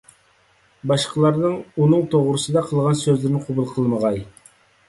باشقىلارنىڭ ئۇنىڭ توغرىسىدا قىلغان سۆزلىرىنى قوبۇل قىلمىغاي.